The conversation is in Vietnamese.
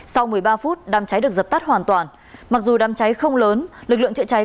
sau một mươi ba phút đam cháy được dập tắt hoàn toàn mặc dù đam cháy không lớn lực lượng trợ cháy